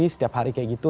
setiap hari kayak gitu